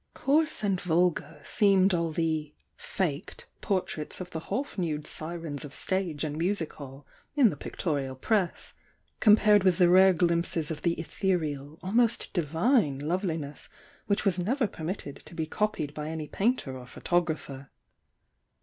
Coarse and vulgar seemed all the "faked" portraits of the half nude sirens of stage and music hall in the pictorial press, compared with the rare glimpses of the ether eal, almost divine loveliness which was never per mitted to be copied by any painter or photographer.